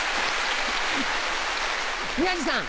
宮治さん。